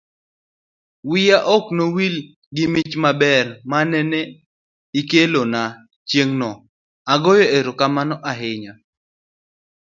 wiya ok no wil gi mich maber manene ikelona chieng'no. agoyo erokamano ahinya